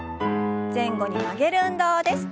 前後に曲げる運動です。